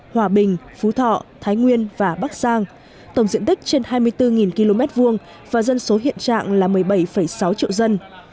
hòa bình phú thọ thái nguyên và bắc giang tổng diện tích trên hai mươi bốn km hai và dân số hiện trạng là một mươi bảy sáu triệu dân